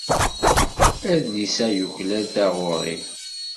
Adlis-a yuklal taɣuri.